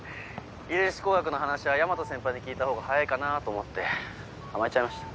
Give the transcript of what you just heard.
遺伝子工学の話は大和先輩に聞いたほうが早いかなぁと思って甘えちゃいました。